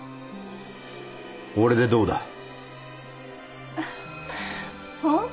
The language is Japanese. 俺でどうだ？